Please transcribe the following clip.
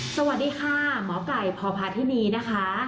สวัสดีค่ะหมอไก่พพาธินีนะคะ